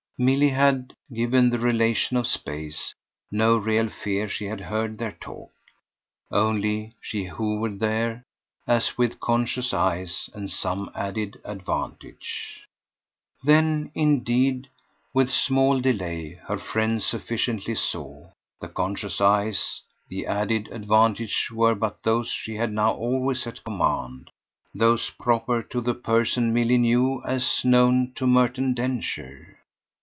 Milly had, given the relation of space, no real fear she had heard their talk; only she hovered there as with conscious eyes and some added advantage. Then indeed, with small delay, her friend sufficiently saw. The conscious eyes, the added advantage were but those she had now always at command those proper to the person Milly knew as known to Merton Densher.